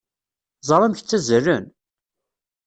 Ẓer amek ttazzalen!